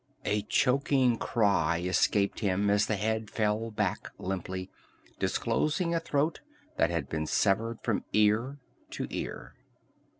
A choking cry escaped him as the head fell back limply, disclosing a throat that had been severed from ear to ear.